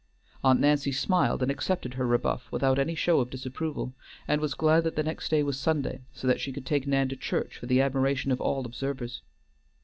Aunt Nancy smiled, and accepted her rebuff without any show of disapproval, and was glad that the next day was Sunday, so that she could take Nan to church for the admiration of all observers.